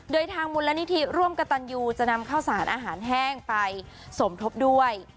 โดยทางมูลนิธิร่วมกระตันยูจะนำข้าวสารอาหารแห้งไปสมทบด้วย